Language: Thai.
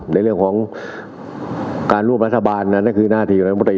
ในเรื่องของการร่วมรัฐบาลนั้นก็คือหน้าที่ของรัฐมนตรี